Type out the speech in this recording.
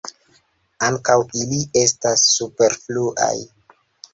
Ankaŭ ili estas superfluaj.